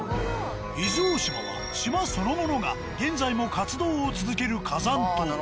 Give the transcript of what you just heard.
伊豆大島は島そのものが現在も活動を続ける火山島。